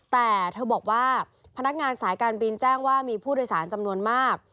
แต่เธอบอกว่าพนักงานสายการบินแจ้งว่ามีผู้โดยสารจำนวนมาก